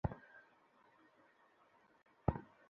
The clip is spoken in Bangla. এত চিন্তা করো না।